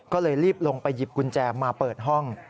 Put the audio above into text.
ก็เลยรีบลงไปหยิบกุญแจมาเปิดห้อง